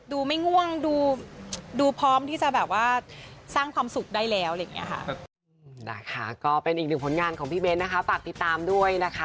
ดูไม่ง่วงดูพร้อมที่จะสร้างความสุขได้แล้ว